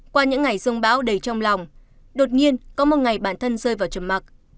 qua những ngày dông báo đầy trong lòng đột nhiên có một ngày bản thân rơi vào trầm mặt